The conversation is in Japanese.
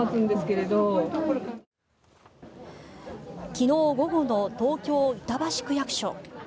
昨日午後の東京・板橋区役所。